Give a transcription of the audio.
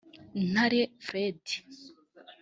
Ntare Fred